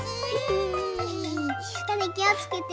たねきをつけてね。